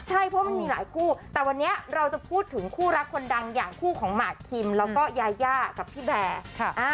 ใช่เพราะมันมีหลายคู่แต่วันนี้เราจะพูดถึงคู่รักคนดังอย่างคู่ของหมากคิมแล้วก็ยายากับพี่แบร์